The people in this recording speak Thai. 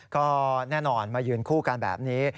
ก็แน่นอนมายืนคู่กันแบบนี้